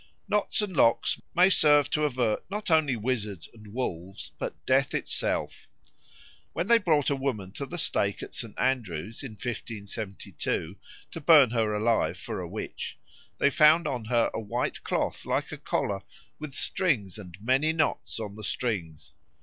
Knots and locks may serve to avert not only wizards and wolves but death itself. When they brought a woman to the stake at St. Andrews in 1572 to burn her alive for a witch, they found on her a white cloth like a collar, with strings and many knots on the strings.